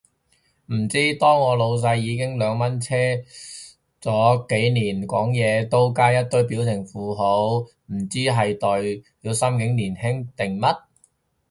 唔知，當我老細已經兩蚊車咗幾年，講嘢都加一堆表情符號，唔知係代表心境年輕定咩